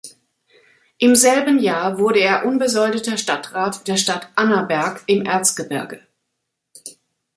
Im selben Jahr wurde er unbesoldeter Stadtrat der Stadt Annaberg im Erzgebirge.